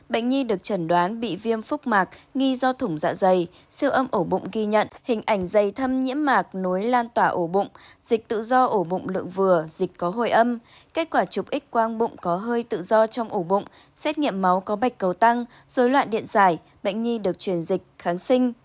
bệnh nhi được chẩn đoán bị viêm phúc mạc nghi do thủng dạ dày siêu âm ổ bụng ghi nhận hình ảnh dày thăm nhiễm mạc nối lan tỏa ổ bụng dịch tự do ổ bụng lượng vừa dịch có hồi âm kết quả chụp x quang bụng có hơi tự do trong ổ bụng xét nghiệm máu có bạch cầu tăng dối loạn điện dài bệnh nhi được truyền dịch kháng sinh